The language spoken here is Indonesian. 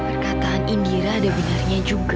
perkataan indira dan benarnya juga